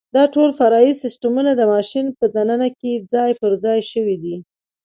دا ټول فرعي سیسټمونه د ماشین په دننه کې ځای پرځای شوي دي.